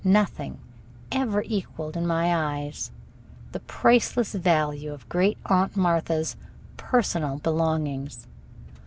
Nothing ever equaled in my eyes the priceless value of Great Aunt Martha's "personal belongings."